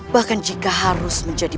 bahkan jika harus menjadi